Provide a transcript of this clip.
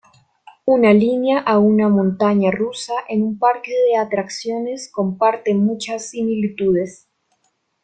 Una línea a una montaña rusa en un parque de atracciones comparte muchas similitudes.